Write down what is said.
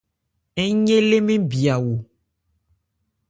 Ń ye lé mɛ́n bhya ho.